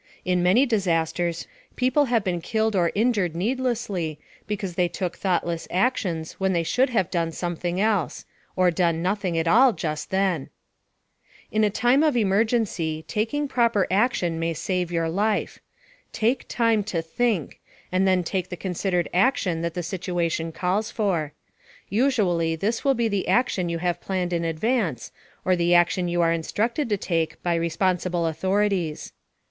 In many disasters, people have been killed or injured needlessly because they took thoughtless actions when they should have done something else or done nothing at all just then. In a time of emergency, taking proper action may save your life. Take time to think, and then take the considered action that the situation calls for. Usually, this will be the action you have planned in advance, or the action you are instructed to take by responsible authorities.